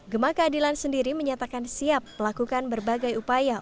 gemah keadilan sendiri menyatakan siap melakukan berbagai upaya